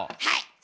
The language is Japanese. はい！